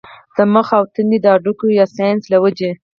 د مخ او تندي د هډوکو يا سائنسز له وجې